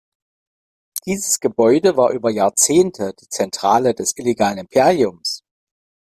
Dieses Gebäude war über Jahrzehnte die Zentrale des illegalen Imperiums.